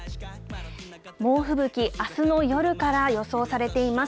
猛吹雪、あすの夜から予想されています。